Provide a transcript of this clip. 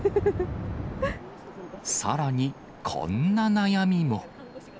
さらに、こんな悩みも。